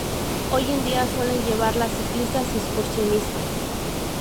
Hoy en día suelen llevarla ciclistas y excursionistas.